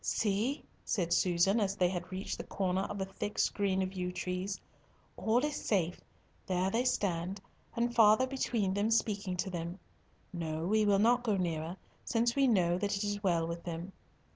"See," said Susan, as they had reached the corner of a thick screen of yew trees, "all is safe. There they stand, and father between them speaking to them. No, we will not go nearer, since we know that it is well with them.